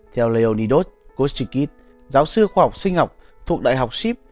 theo leonidos kostikid giáo sư khoa học sinh học thuộc đại học sip